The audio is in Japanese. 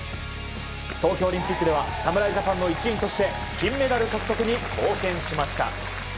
東京オリンピックでは侍ジャパンの一員として金メダル獲得に貢献しました。